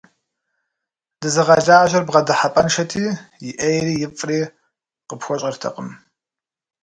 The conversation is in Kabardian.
Дызыгъэлажьэр бгъэдыхьэпӏэншэти, и ӏейри ифӏри къыпхуэщӏэртэкъым.